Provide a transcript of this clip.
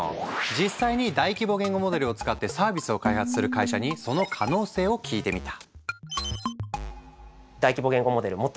実際に大規模言語モデルを使ってサービスを開発する会社にその可能性を聞いてみた。